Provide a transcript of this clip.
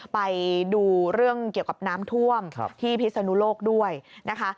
ไปดูเรื่องเกี่ยวกับน้ำท่วมที่พิศนุโลกด้วยนะคะ